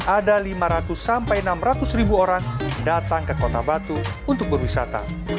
ada lima ratus sampai enam ratus ribu orang datang ke kota batu untuk berwisata